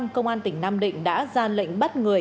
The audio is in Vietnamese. công an tỉnh nam định đã ra lệnh bắt người